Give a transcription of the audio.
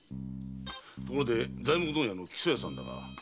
ところで材木問屋の木曽屋さんだが。